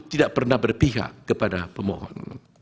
tidak pernah berpihak kepada pemohon